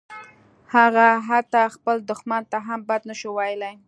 هغه حتی خپل دښمن ته هم بد نشوای ویلای